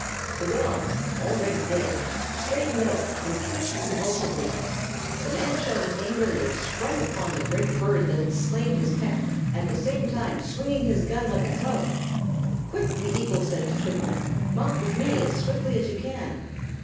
The dog, already dead, straightened out and twitched convulsively. The man shouted angrily and sprang upon the huge bird that had slain his pet, at the same time swinging his gun like a club. "Quick!" said the eagle to Twinkle, "mount with me as swiftly as you can."